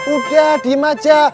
udah diem aja